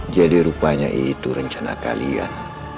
jadi rupanya itu rencana kalian